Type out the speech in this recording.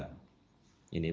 ini pengaturan jam kerja